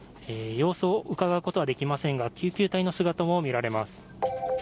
様子をうかがうことはできませんが救急隊の姿も見られます。